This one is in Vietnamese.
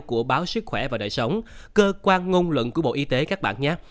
của báo sức khỏe và đời sống cơ quan ngôn luận của bộ y tế các bạn nhắc